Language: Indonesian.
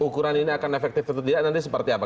ukuran ini akan efektif atau tidak nanti seperti apa